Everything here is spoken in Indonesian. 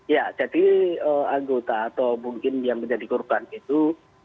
ya jadi anggota atau mungkin yang menjadi korban itu